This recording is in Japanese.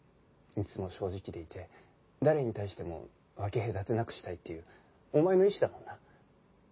いつも正直でいて誰に対しても分け隔てなくしたいっていうお前の意思だもんな。